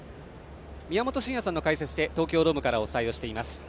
宮本慎也さんの解説で東京ドームからお伝えをしています。